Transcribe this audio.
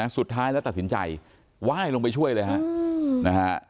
สุดท้ายแล้วตัดสินใจไหว้ลงไปช่วยเลยฮะนะฮะ